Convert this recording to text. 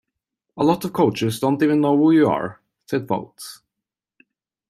A lot of coaches don't even know who you are, said Fouts.